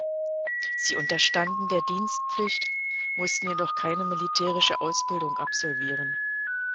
Sie unterstanden der Dienstpflicht, mussten jedoch keine militärische Ausbildung absolvieren.